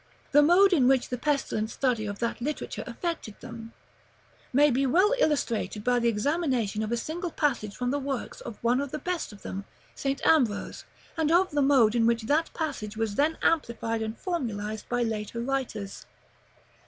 The mode in which the pestilent study of that literature affected them may be well illustrated by the examination of a single passage from the works of one of the best of them, St. Ambrose, and of the mode in which that passage was then amplified and formulized by later writers.